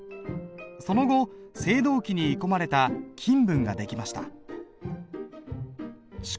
その後青銅器に鋳込まれた金文が出来ました。